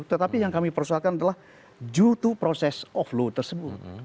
tetapi yang kami persoalkan adalah jutu proses of law tersebut